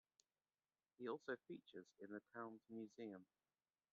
He also features in the town's museum.